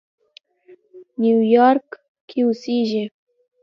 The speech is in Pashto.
نیویارک کې اوسېږي.